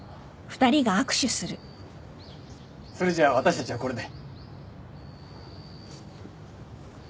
それじゃ私たちはこれで。